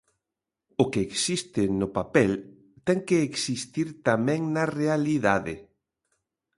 O que existe no papel ten que existir tamén na realidade.